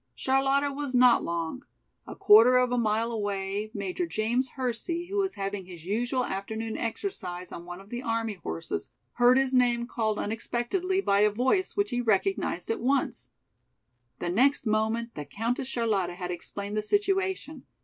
Charlotta was not long. A quarter of a mile away, Major James Hersey, who was having his usual afternoon exercise on one of the army horses, heard his name called unexpectedly by a voice which he recognized at once. The next moment the Countess Charlotta had explained the situation.